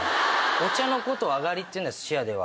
お茶のことあがりっていうんだよ寿司屋では。